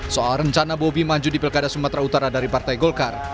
soal rencana bobi maju di pilkada sumatera utara dari partai golkar